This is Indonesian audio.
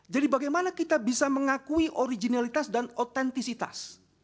jadi bagaimana kita bisa mengakui originalitas dan autentisitas